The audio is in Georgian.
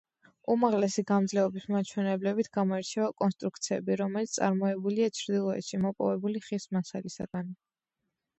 უმაღლესი გამძლეობის მაჩვენებლებით გამოირჩევა კონსტრუქციები, რომელიც წარმოებულია ჩრდილოეთში მოპოვებული ხის მასალისაგან.